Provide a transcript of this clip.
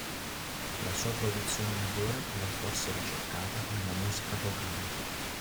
La sua produzione migliore va forse ricercata nella musica vocale.